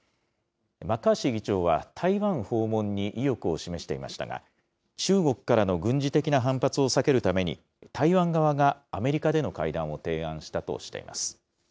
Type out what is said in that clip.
マッカーシー議長は台湾訪問に意欲を示していましたが、中国からの軍事的な反発を避けるために、台湾側がアメリカでの会談を提案したとしています。